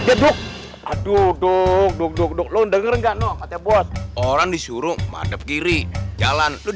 aduk aduk aduk aduk aduk lo denger nggak noh ada bos orang disuruh mada kiri jalan tuh